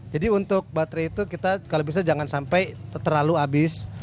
jadi untuk baterai itu kita kalau bisa jangan sampai terlalu abis